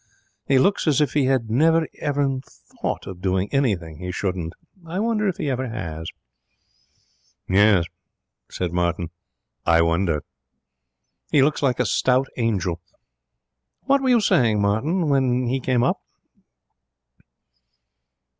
He looks as if he had never even thought of doing anything he shouldn't. I wonder if he ever has?' 'I wonder!' said Martin. 'He looks like a stout angel. What were you saying, Martin, when he came up?'